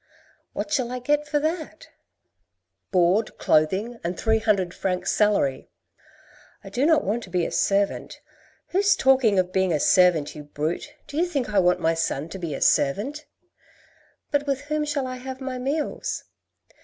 " What shall I get for that ?"•' Board, clothing, and three hundred francs salary." " I do not want to be a servant." " Who's talking of being a servant, you brute, Do you think I want my son to be a servant ?"" But with whom shall I have my meals